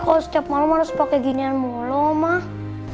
kalau setiap malam harus pakai ginian mulu mama